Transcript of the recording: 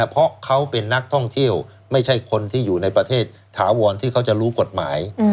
เพราะเขาเป็นนักท่องเที่ยวไม่ใช่คนที่อยู่ในประเทศถาวรที่เขาจะรู้กฎหมาย